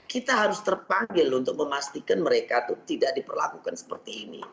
kita harus terpanggil untuk memastikan mereka itu tidak diperlakukan seperti ini